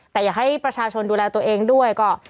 แต่อยากให้ประชาชนดูแลตัวเองด้วยก็